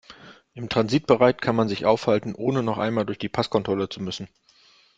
Im Transitbereich kann man sich aufhalten, ohne noch einmal durch die Passkontrolle zu müssen.